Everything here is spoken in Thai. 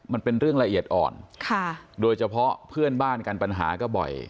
มันเป็นเรื่องละเอียดอ่อนค่ะโดยเฉพาะเพื่อนบ้านกันปัญหาก็บ่อย